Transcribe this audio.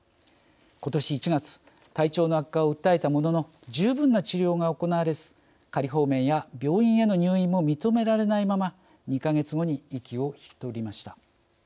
ことし１月体調の悪化を訴えたものの十分な治療が行われず仮放免や病院への入院も認められないまま２か月後に息を引き取りました。